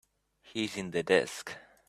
He's in the desk.